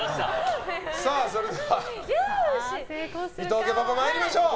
それでは、伊藤家パパ参りましょう。